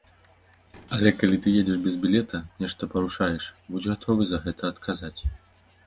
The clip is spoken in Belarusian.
Але калі ты едзеш без білета, нешта парушаеш, будзь гатовы за гэта адказаць.